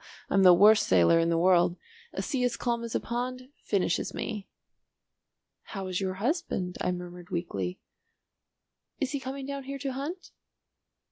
I'm the worst sailor in the world. A sea as calm as a pond finishes me." "How is your husband?" I murmured weakly. "Is he coming down here to hunt?"